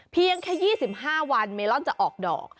เพียงแค่๒๕วันเมลอนจะออกดอก